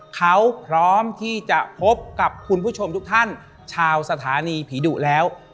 เขาพร้อมที่จะพบกับคุณผู้ชมทุกท่านชาวสถานีผีดุแล้ว